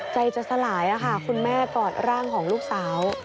ใจจะสลายค่ะคุณแม่กอดร่างของลูกสาว